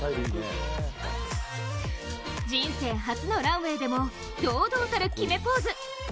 人生初のランウェイでも堂々たる決めポーズ。